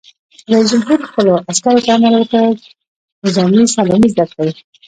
رئیس جمهور خپلو عسکرو ته امر وکړ؛ نظامي سلامي زده کړئ!